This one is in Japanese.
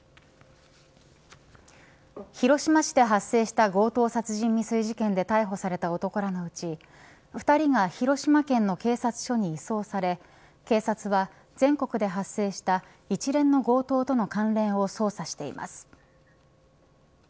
広島市で発生した強盗殺人未遂事件で逮捕された男らのうち２人が広島県の警察署に移送され警察は全国で発生した一連の強盗との関連を捜査しています。